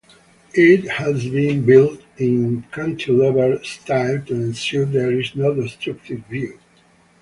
It has been built in cantilever style to ensure there is no obstructed view.